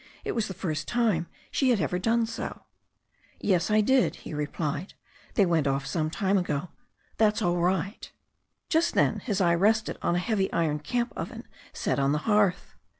It was the first time she had ever done so. "Yes, I did," he replied. "They went off some time ago. That's all right." Just then his eye rested on a heavy iron camp oven set on the hearth.